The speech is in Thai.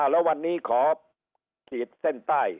แล้ววันนี้ขอขีดเส้นใต้